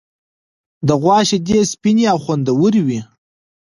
د غوا شیدې سپینې او خوندورې دي.